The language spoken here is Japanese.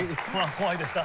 怖いですか？